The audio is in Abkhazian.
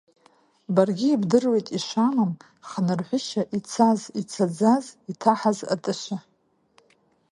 Баргьы ибдыруеит ишамам хнырҳәышьа ицаз, ицаӡаз, иҭаҳаз атыша.